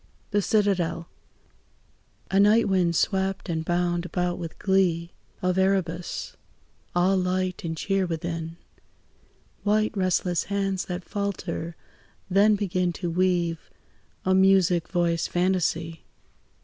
THE CITADEL A night wind swept and bound about with glee Of Erebus; all light and cheer within; White restless hands that falter, then begin To weave a music voiced fantasy.